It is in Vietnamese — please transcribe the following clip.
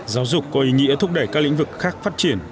giáo dục có ý nghĩa thúc đẩy các lĩnh vực khác phát triển